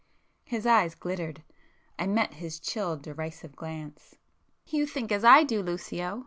[p 373]His eyes glittered,—I met his chill derisive glance. "You think as I do, Lucio!"